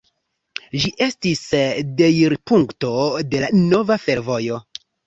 Ĝi estis deirpunkto de la nova fervojo.